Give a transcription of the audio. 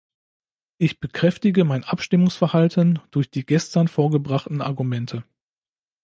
Ich bekräftige mein Abstimmungsverhalten durch die gestern vorgebrachten Argumente.